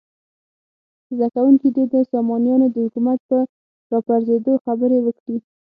زده کوونکي دې د سامانیانو د حکومت په راپرزېدو خبرې وکړي.